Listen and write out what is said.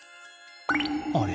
あれ？